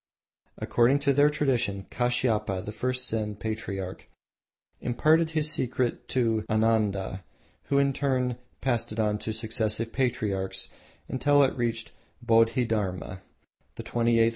According to their tradition Kashiapa, the first Zen patriarch, imparted the secret to Ananda, who in turn passed it on to successive patriarchs until it reached Bodhi Dharma, the twenty eighth.